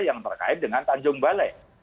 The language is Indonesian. yang terkait dengan tanjung balai